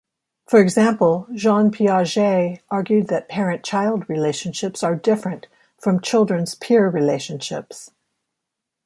For example, Jean Piaget argued that parent-child relationships are different from children's peer relationships.